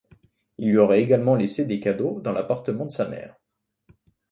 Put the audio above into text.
Il lui aurait également laissé des cadeaux dans l'appartement de sa mère.